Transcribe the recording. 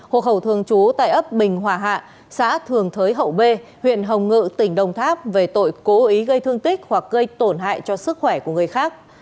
hộ khẩu thường trú tại ấp bình hòa hạ xã thường thới hậu b huyện hồng ngự tỉnh đồng tháp về tội cố ý gây thương tích hoặc gây tổn hại cho sức khỏe của người khác